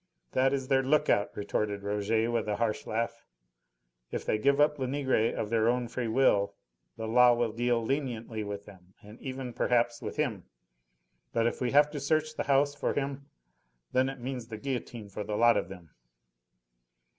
"That is their look out," retorted Rouget with a harsh laugh. "If they give up Lenegre of their own free will the law will deal leniently with them, and even perhaps with him. But if we have to search the house for him, then it means the guillotine for the lot of them."